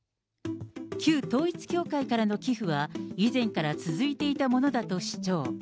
旧統一教会からの寄付は以前から続いていたものだと主張。